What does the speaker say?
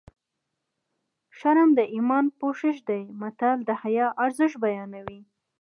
شرم د ایمان پوښ دی متل د حیا ارزښت بیانوي